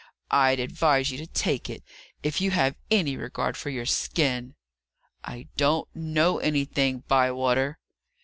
I'd advise you to take it, if you have any regard for your skin." "I don't know anything, Bywater."